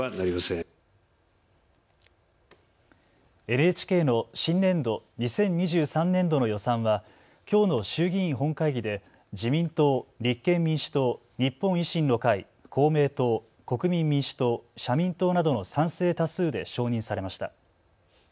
ＮＨＫの新年度・２０２３年度の予算はきょうの衆議院本会議で自民党、立憲民主党、日本維新の会、公明党、国民民主党、社民党などの賛成多数で承認されました。